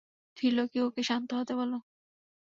ত্রিলোকি, ওকে শান্ত হতে বলো।